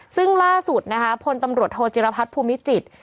ซึ่งล่าสุดนะคะพลตำรวจโทจิรพัฒน์ภูมิจิตร